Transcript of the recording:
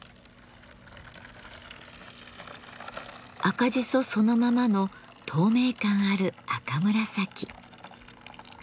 赤じそそのままの透明感ある赤紫。